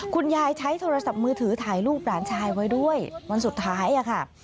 คุณยายใช้โทรศัพท์มือถือถ่ายรูปหลานชายไว้ด้วยวันสุดท้ายค่ะ